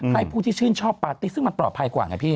ให้ผู้ที่ชื่นชอบปาร์ตี้ซึ่งมันปลอดภัยกว่าไงพี่